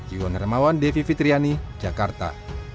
yon nirmawan devi fitriani jakarta